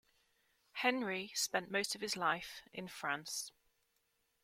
Henri spent most of his life in France.